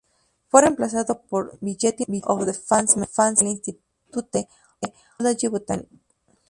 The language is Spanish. Fue reemplazado por "Bulletin of the Fan Memorial Institute of Biology; Botany".